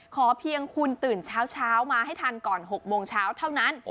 ขอเพียงคุณตื่นเช้ามาให้ทันก่อน๖โมงเช้าเท่านั้น